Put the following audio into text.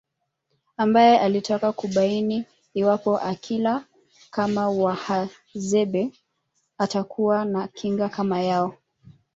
Ambae alitaka kubaini iwapo akila kama Wahadzabe atakuwa na kinga kama yao